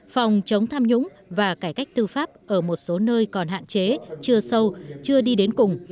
phòng chống tham nhũng và cải cách tư pháp ở một số nơi còn hạn chế chưa sâu chưa đi đến cùng